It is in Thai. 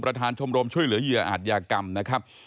ชมรมช่วยเหลือเหยื่ออาจยากรรมนะครับ